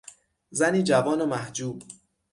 زنی جوان و محجوب